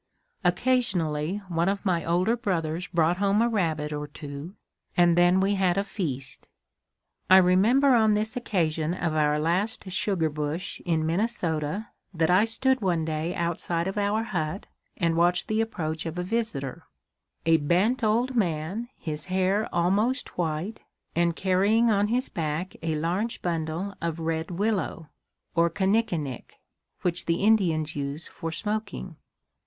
Occasionally one of my older brothers brought home a rabbit or two, and then we had a feast. I remember on this occasion of our last sugar bush in Minnesota, that I stood one day outside of our hut and watched the approach of a visitor a bent old man, his hair almost white, and carrying on his back a large bundle of red willow, or kinnikinick, which the Indians use for smoking.